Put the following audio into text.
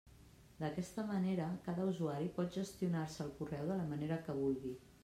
D'aquesta manera, cada usuari pot gestionar-se el correu de la manera que vulgui.